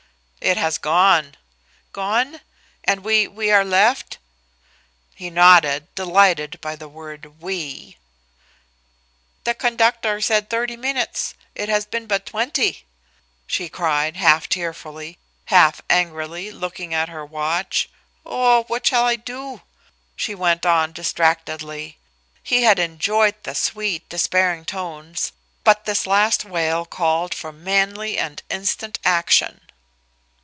"It has gone." "Gone? And we we are left?" He nodded, delighted by the word "we." "The conductor said thirty minutes; it has been but twenty," she cried, half tearfully, half angrily, looking at her watch. "Oh, what shall I do?" she went on, distractedly. He had enjoyed the sweet, despairing tones, but this last wail called for manly and instant action.